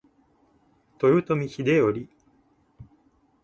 豊臣秀頼